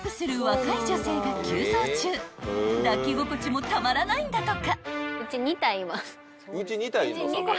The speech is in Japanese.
［抱き心地もたまらないんだとか］